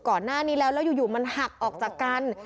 ก่อนหน้านี้แล้วแล้วอยู่มันหักออกจากกัน